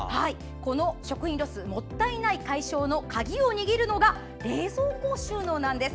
その食品ロスもったいない解消の鍵を握るのが冷蔵庫収納なんです。